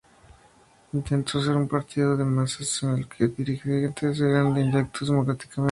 Intentó ser un partido de masas en el que sus dirigentes eran electos democráticamente.